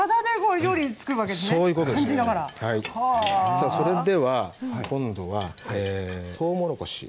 さあそれでは今度はとうもろこし。